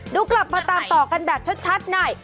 กลับมาตามต่อกันแบบชัดใน